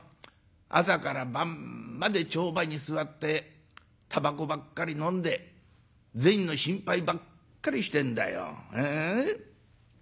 朝から晩まで帳場に座ってたばこばっかりのんで銭の心配ばっかりしてんだよ。